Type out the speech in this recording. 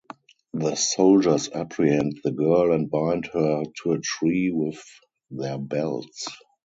The soldiers apprehend the girl and bind her to a tree with their belts.